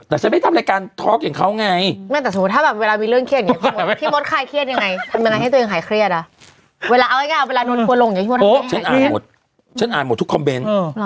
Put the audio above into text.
เดี๋ยวก็เช้าแล้วใช่ไหมนั่นแหละหนุ่มนอน